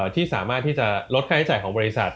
ที่สามารถที่จะลดค่าใช้จ่ายของบริษัท